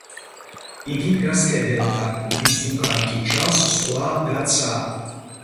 იგი დგას კედელთან, მის უკან კი ჩანს ზღვა და ცა.